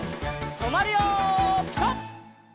とまるよピタ！